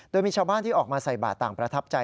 โดยมีชาวบ้านที่ออกมาใส่บาทต่างประทับใจ